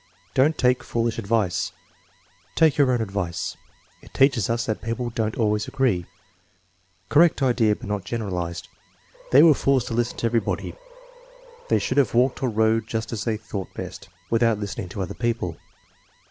"Don't take foolish advice." "Take your own advice." "It teaches us that people don't always agree." Correct idea but not generalized: "They were fools to listen to everybody." "They should have walked or rode just as they thought best, without listening to other people."